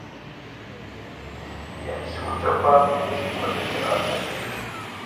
Я псэукӀэ хъуам езыри куэдрэ хигъаплъэрт.